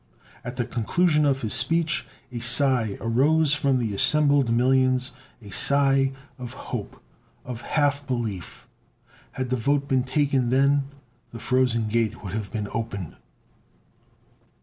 At the conclusion of his speech a sigh arose from the assembled millions a sigh of hope, of half belief. Had the vote been taken then the Frozen Gate would have been opened.